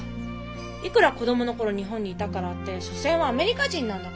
いくら子供の頃日本にいたからって所詮はアメリカ人なんだからさ。